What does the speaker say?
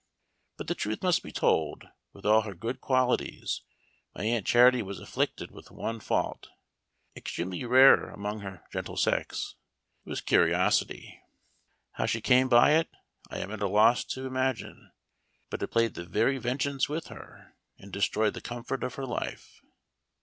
" But the truth must be told ; with all her good qualities my Aunt Charity was afflicted with one fault, extremely rare among her gentle sex — it was curiosity. How she came by it I am at a loss to imagine ; but it played the very vengeance with her, and destroyed the comfort of her life.